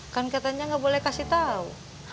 kan katanya gak boleh kasih tau